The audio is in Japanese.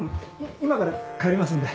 今から帰りますんで。